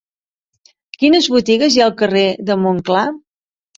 Quines botigues hi ha al carrer de Montclar?